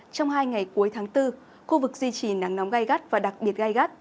trong hai ngày cuối tháng bốn khu vực duy trì nắng nóng gai gắt và đặc biệt gai gắt